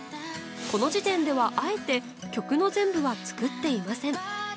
この時点では、あえて曲の全部は作っていません。